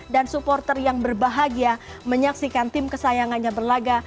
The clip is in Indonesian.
dan supporter yang berbahagia menyaksikan tim kesayangannya berlaga